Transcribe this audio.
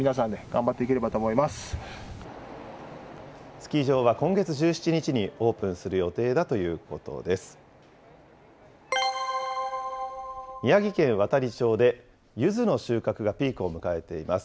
スキー場は今月１７日にオープンする予定だということです。